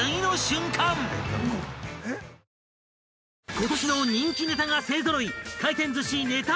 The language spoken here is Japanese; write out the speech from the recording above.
［今年の人気ネタが勢揃い！］